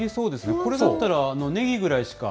これだったらネギぐらいしか。